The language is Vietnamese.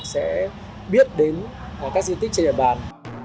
sẽ biết đến các di tích trên địa bàn